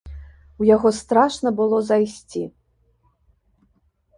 У яго страшна было зайсці!